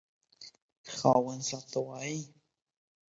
خاوند صاحب ته وايي.